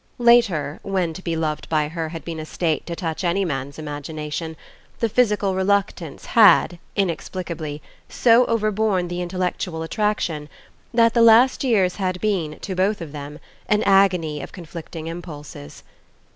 Later, when to be loved by her had been a state to touch any man's imagination, the physical reluctance had, inexplicably, so overborne the intellectual attraction, that the last years had been, to both of them, an agony of conflicting impulses.